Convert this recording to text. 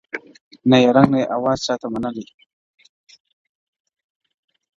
نه یې رنګ نه یې آواز چاته منلی!!